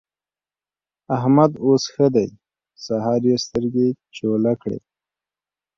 احمد اوس ښه دی؛ سهار يې سترګې چوله کړې.